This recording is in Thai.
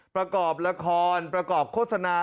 ประกอบละครประกอบโฆษณา